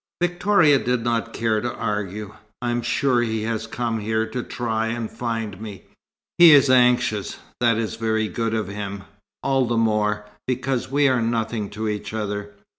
Victoria did not care to argue. "I am sure he has come here to try and find me. He is anxious. That is very good of him all the more, because we are nothing to each other.